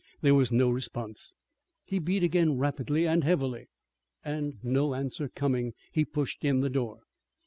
There was no response. He beat again rapidly and heavily, and no answer coming he pushed in the door.